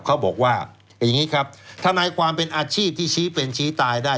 เขาบอกว่าอย่างนี้ครับทนายความเป็นอาชีพที่ชี้เป็นชี้ตายได้